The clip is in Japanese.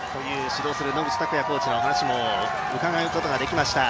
指導する野口拓也コーチの話も伺うことができました。